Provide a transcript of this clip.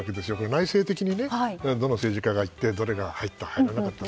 内政的にどの政治家がいてどれが入った、入らなかった。